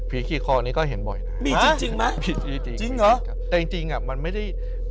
ผีขี่คอนี้ก็เห็นบ่อยนะมีจริงมั้ยจริงหรอแต่จริงมันไม่ได้